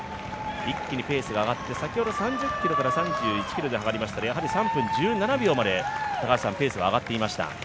一気にペースが上がって先ほど３０ｋｍから３１ｋｍでペースが上がりましたがやはり３分１７秒までペースは上がっていました。